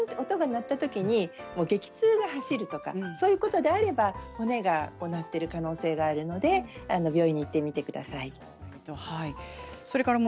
音が鳴ったときに激痛が走るとかそういうことであれば骨が鳴っている可能性がありますので病院に行ってください。